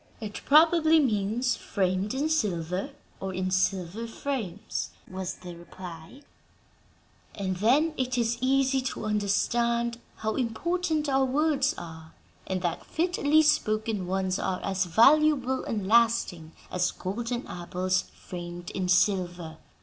"It probably means 'framed in silver' or 'in silver frames,'" was the reply; "and then it is easy to understand how important our words are, and that 'fitly spoken' ones are as valuable and lasting as golden apples framed in silver.